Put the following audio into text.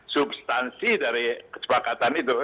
substansi dari kesepakatan itu